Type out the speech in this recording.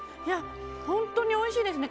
本当においしいですね。